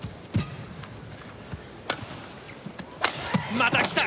また来た。